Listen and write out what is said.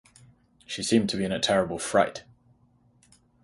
She seemed to be in a terrible fright.